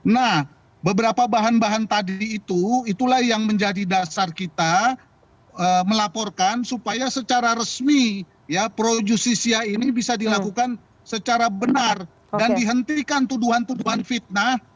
nah beberapa bahan bahan tadi itu itulah yang menjadi dasar kita melaporkan supaya secara resmi ya pro justisia ini bisa dilakukan secara benar dan dihentikan tuduhan tuduhan fitnah